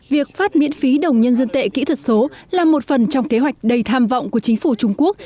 việc phát miễn phí đồng nhân dân tệ kỹ thuật số là một phần trong kế hoạch đầy tham vọng của chính phủ trung quốc